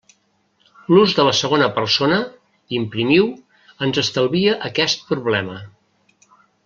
L'ús de la segona persona, imprimiu, ens estalvia aquest problema.